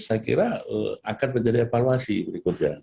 saya kira akan menjadi evaluasi berikutnya